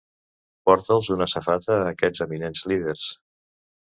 Porta'ls una safata a aquests eminents líders.